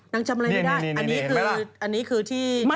นางจำอะไรไม่ได้อันนี้คือที่เขาออกมา